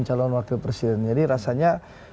calon wakil presiden jadi rasanya